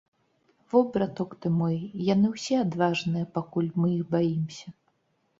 Во, браток ты мой, яны ўсе адважныя, пакуль мы іх баімся.